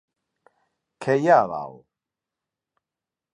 Què hi ha a dalt?